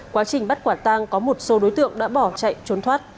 quá trình bắt quả tang có một số đối tượng đã bỏ chạy trốn thoát